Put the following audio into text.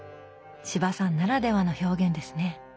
司馬さんならではの表現ですね